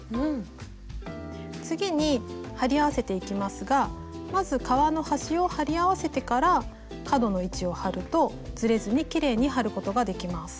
次に貼り合わせていきますがまず革の端を貼り合わせてから角の位置を貼るとずれずにきれいに貼ることができます。